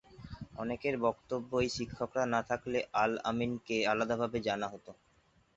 অনেকের বক্তব্য এই শিক্ষকরা না থাকলে আল-আমিনকে আলাদাভাবে জানা হত।